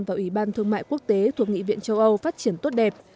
và ủy ban thương mại quốc tế thuộc nghị viện châu âu phát triển tốt đẹp